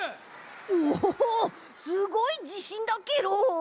おすごいじしんだケロ。